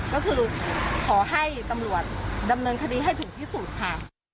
ก็คือขอให้ตำรวจดำเนินคดีให้ถึงที่สุดค่ะ